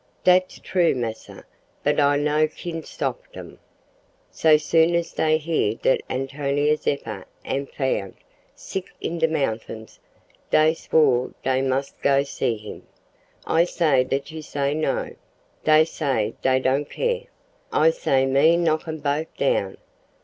"Dat's true, massa, but I no kin stop dem. So soon as dey hear dat Antonio Zeppa am found, sick in de mountains, dey swore dey mus' go see him. I say dat you say no! Dey say dey not care. I say me knock 'em bofe down.